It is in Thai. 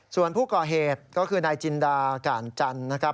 ส่วนผู้ก่อเหตุก็คือนายจินดาก่านจันทร์นะครับ